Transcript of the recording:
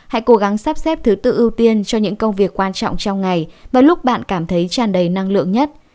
hãy cố gắng sắp xếp thứ tự ưu tiên cho những công việc quan trọng trong ngày và lúc bạn cảm thấy tràn đầy năng lượng nhất